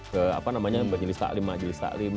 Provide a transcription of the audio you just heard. ke apa namanya mbak jelis taklim mak jelis taklim